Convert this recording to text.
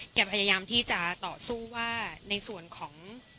พยายามที่จะต่อสู้ว่าในส่วนของ